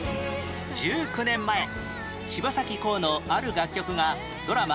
１９年前柴咲コウのある楽曲がドラマ